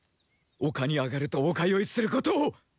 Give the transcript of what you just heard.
陸に上がると陸酔いすることを。